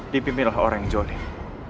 dipimpinlah orang yang joleng